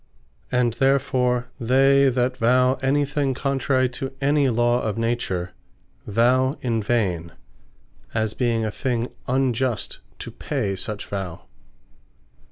And therefore they that Vow any thing contrary to any law of Nature, Vow in vain; as being a thing unjust to pay such Vow.